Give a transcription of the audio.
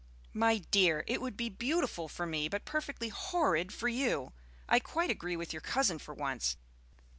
"My dear, it would be beautiful for me, but perfectly horrid for you! I quite agree with your cousin for once.